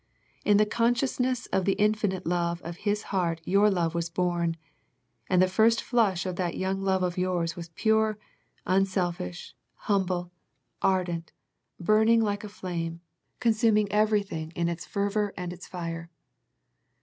In the con sciousness of the infinite love of His heart your love was born, and the first flush of that young love of yours was pure, unselfish, humble, ardent, burning like a flame, consum ing everything in its fervour and its fire.